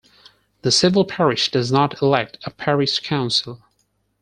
The civil parish does not elect a parish council.